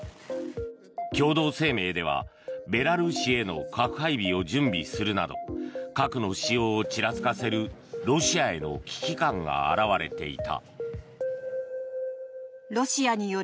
共同声明ではベラルーシへの核配備を準備するなど核の使用をちらつかせるロシアへの危機感が現れていた。